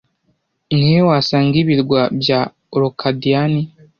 Ni he wasanga Ibirwa bya Orkadiyani